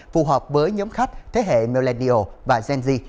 phù hợp với nhóm khách thế hệ millennial và gen z